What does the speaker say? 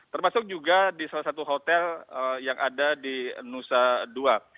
termasuk juga di salah satu hotel yang ada di nusa dua